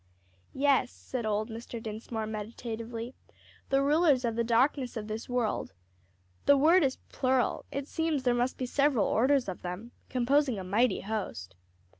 '" "Yes," said old Mr. Dinsmore, meditatively, "'the rulers of the darkness of this world,' the word is plural: it seems there must be several orders of them, composing a mighty host."